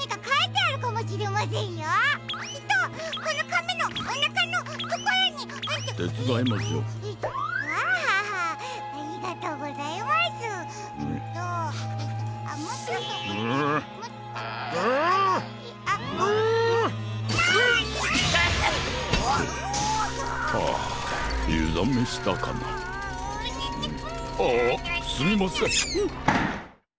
ああすみません。